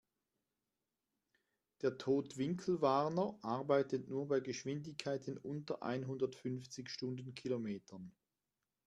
Der Totwinkelwarner arbeitet nur bei Geschwindigkeiten unter einhundertfünfzig Stundenkilometern.